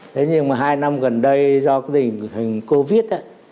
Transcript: thế nhưng mà hai năm gần đây do covid